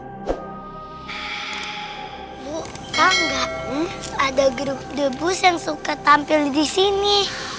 ibu tangga ada grup the bus yang suka tampil di sini